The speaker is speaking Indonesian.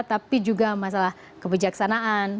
tapi juga masalah kebijaksanaan